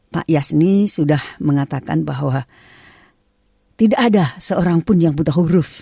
pak yasni sudah mengatakan bahwa tidak ada seorang pun yang buta huruf